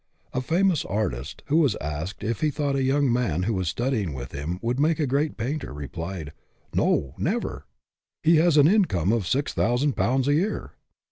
A famous artist, who was asked if he thought a young man who was studying with him would make a great painter, replied, " No, never: He has an income of six thousand pounds a year."